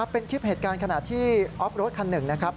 เป็นคลิปเหตุการณ์ขณะที่ออฟรถคันหนึ่งนะครับ